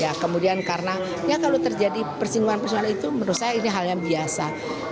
ya kemudian karena ya kalau terjadi persinggungan persoalan itu menurut saya ini hal yang biasa